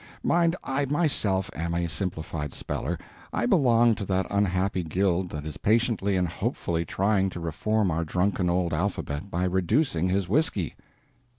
Mind, I myself am a Simplified Speller; I belong to that unhappy guild that is patiently and hopefully trying to reform our drunken old alphabet by reducing his whiskey.